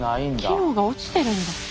機能が落ちてるんだ。